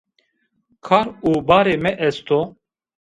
Kar û barê mi est o